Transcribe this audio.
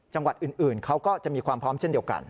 จังหวัดอื่นเขาก็จะมีความพร้อมเช่นเดียวกัน